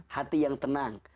hati yang tenang